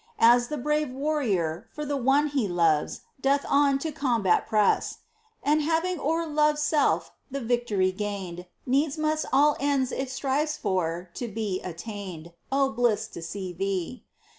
51 As the brave warrior, for the one he loves, Doth on to combat press, And having o'er Love's self the victory gained, Needs must all ends it strives for be attained — Oh, bliss to see Thee